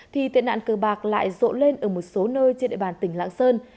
thì tệ nạn cờ bạc lại rộ lên ở một số nơi trên địa bàn tỉnh lạng sơn